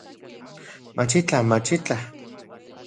Machitlaj, machitlaj